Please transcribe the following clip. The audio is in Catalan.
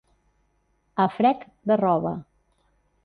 A frec de roba.